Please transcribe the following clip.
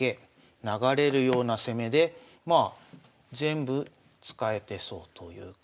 流れるような攻めでまあ全部使えてそうという感じです。